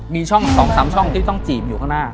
มีช่อง๒๓ช่องที่ต้องจีบอยู่ข้างหน้า